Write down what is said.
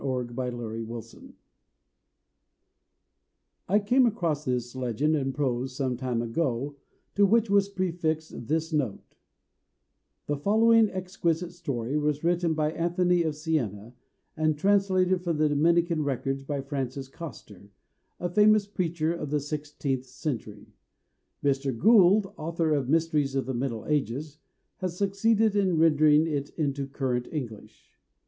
FRANCIS COSTER'S STORY (I came across this legend, in prose, some time ago, to which was prefixed this note: "The following exquisite story was written by Anthony of Sienna, and translated from the Dominican records by Francis Coster, a famous preacher of the sixteenth century. Mr. Gould, author of Mysteries of the Middle Ages, has succeeded in rendering it into current English."